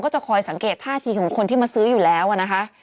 จะคอยสังเกตท่าทีของคนที่มาซื้ออยู่แล้วนะคะ